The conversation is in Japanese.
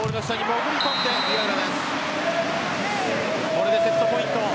これでセットポイント。